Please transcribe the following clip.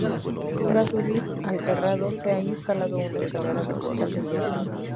Para subir al terrado, se ha instalado una escalera vertical de hierro.